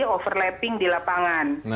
overlapping di lapangan